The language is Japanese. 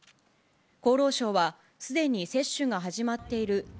厚労省は、すでに接種が始まっているＢＡ．